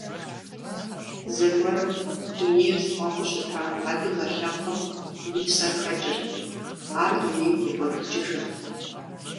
Зэгуэрым дунейр зыфӀэӀэфӀу щыта адыгэ лъэпкъым, и псэр хэкӀырт, ар дунейм текӀуэдыкӀыжырт.